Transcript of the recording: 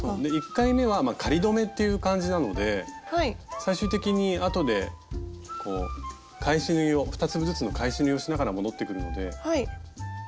１回めは仮留めっていう感じなので最終的にあとでこう返し縫いを２粒ずつの返し縫いをしながら戻ってくるのでそんなに気にせずに。